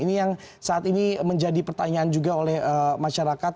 ini yang saat ini menjadi pertanyaan juga oleh masyarakat